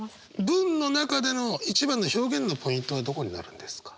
文の中での一番の表現のポイントはどこになるんですか？